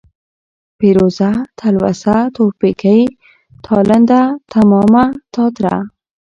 پېروزه ، تلوسه ، تورپيکۍ ، تالنده ، تمامه ، تاتره ،